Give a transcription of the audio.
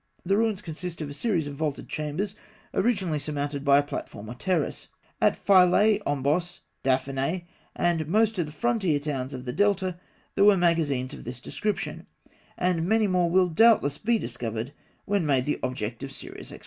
The ruins consist of a series of vaulted chambers, originally surmounted by a platform or terrace (fig. 46). At Philae, Ombos, Daphnae, and most of the frontier towns of the Delta, there were magazines of this description, and many more will doubtless be discovered when made the object of serious exploration.